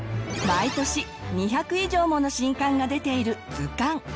毎年２００以上もの新刊が出ている図鑑。